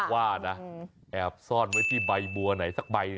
ว่านะแอบซ่อนไว้ที่ใบบัวไหนสักใบ